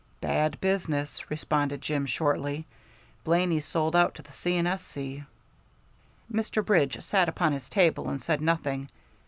"Bad business," responded Jim, shortly. "Blaney's sold out to the C. & S.C." Mr. Bridge sat upon his table and said nothing.